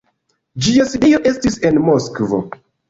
Ĝia sidejo estis en Moskvo.